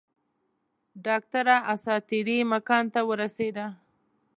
ډاکټره اساطیري مکان ته ورسېده.